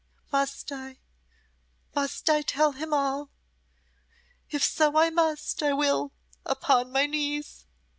Must I must I tell him all? If so I must, I will upon my knees."